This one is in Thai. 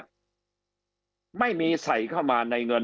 คำอภิปรายของสอสอพักเก้าไกลคนหนึ่ง